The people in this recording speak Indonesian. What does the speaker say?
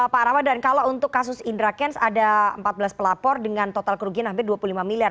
pak ramadhan kalau untuk kasus indra kents ada empat belas pelapor dengan total kerugian hampir dua puluh lima miliar